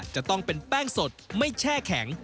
จะต้องเป็นแป้งสดไม่แช่แข็ง